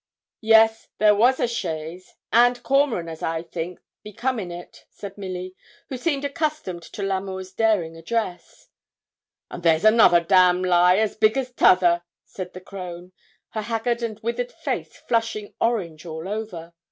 'Yes, there was a chaise, and Cormoran, as I think, be come in it,' said Milly, who seemed accustomed to L'Amour's daring address. 'And there's another damn lie, as big as the t'other,' said the crone, her haggard and withered face flushing orange all over.